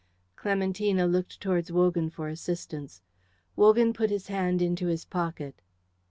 Clementina looked towards Wogan for assistance. Wogan put his hand into his pocket.